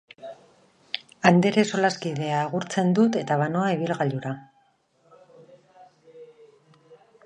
Andere solaskidea agurtzen dut eta banoa ibilgailura.